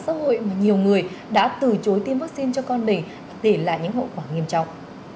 sức khỏe mà nhiều người đã từ chối tiêm vaccine cho con đỉnh để lại những hậu quả nghiêm trọng